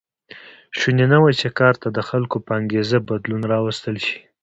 شونې نه وه چې کار ته د خلکو په انګېزه بدلون راوستل شي.